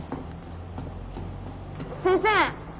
先生！